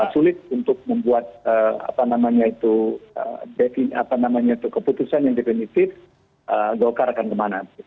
sulit untuk membuat apa namanya itu keputusan yang definitif gokar akan kemana